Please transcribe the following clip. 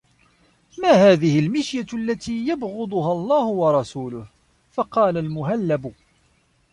مَا هَذِهِ الْمِشْيَةُ الَّتِي يُبْغِضُهَا اللَّهُ وَرَسُولُهُ ؟ فَقَالَ الْمُهَلَّبُ